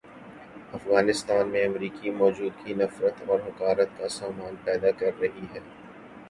افغانستان میں امریکی موجودگی نفرت اور حقارت کا سامان پیدا کر رہی ہے۔